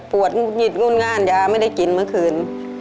หงุดหงิดงุ่นง่านยาไม่ได้กินเมื่อคืน